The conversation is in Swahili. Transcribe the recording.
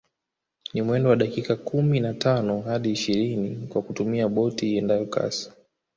Ni mwendo wa dakika kumi na tano hadi ishirini kwa kutumia boti iendayo kasi